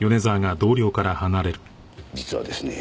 実はですね